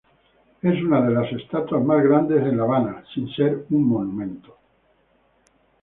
Es una de las estatuas más grandes en La Habana sin ser un monumento.